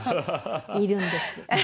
いるんです。